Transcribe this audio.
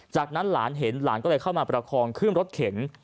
จากนั้นหลานเห็นหลานก็เลยเข้ามาประคองขึ้นรถเข็น